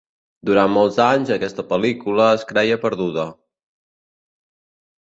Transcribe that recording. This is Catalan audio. Durant molts anys, aquesta pel·lícula, es creia perduda.